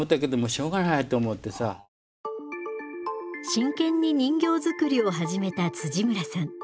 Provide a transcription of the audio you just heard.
真剣に人形作りを始めた村さん。